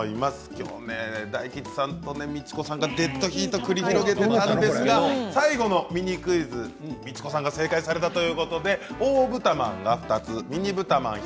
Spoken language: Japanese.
大吉さんとミチコさんがデッドヒートを繰り広げていたんですが最後のミニクイズミチコさんが正解されたということで大ぶたまんが２つミニぶたまん１